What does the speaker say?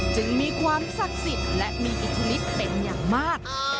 จึงมีความศักดิ์สิทธิ์และมีอิทธิฤทธิ์เป็นอย่างมาก